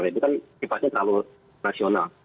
itu kan sifatnya terlalu nasional